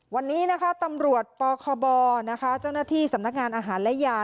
วันนี้นะคะตำรวจปคบนะคะเจ้าหน้าที่สำนักงานอาหารและยา